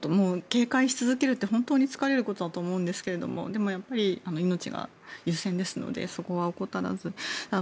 警戒し続けるって、本当に疲れることだと思うんですがでも、命が優先ですのでそこは怠らず。